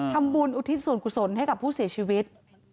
ทำบุญอุทิศส่วนขุดสนให้กับผู้เสียชีวิต